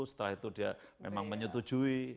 setelah itu dia memang menyetujui